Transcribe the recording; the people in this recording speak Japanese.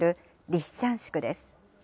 リシチャンシクです。